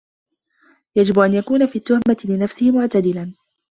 يَجِبُ أَنْ يَكُونَ فِي التُّهْمَةِ لِنَفْسِهِ مُعْتَدِلًا